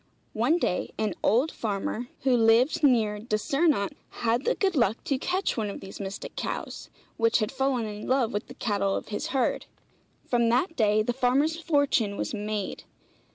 One day an old farmer, who lived near Dyssyrnant, had the good luck to catch one of these mystic cows, which had fallen in love with the cattle of his herd. From that day the farmer's fortune was made.